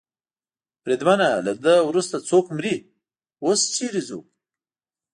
بریدمنه، له ده وروسته څوک مري؟ اوس چېرې ځو؟